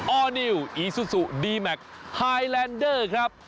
อร์นิวอีซูซูดีแมคไฮแลนเดอร์ครับ